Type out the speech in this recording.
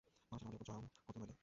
মানুষজন আমাদের উপরে চড়াও হতো নইলে।